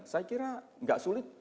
saya kira enggak sulit